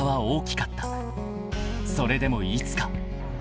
［それでもいつか］